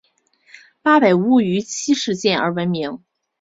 八百屋于七事件而闻名。